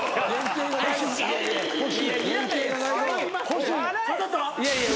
欲しい？